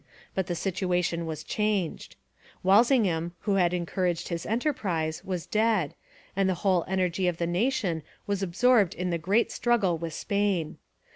But the situation was changed. Walsingham, who had encouraged his enterprise, was dead, and the whole energy of the nation was absorbed in the great struggle with Spain.